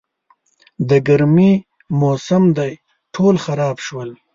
د ګرمي موسم دی، ټول خراب شول.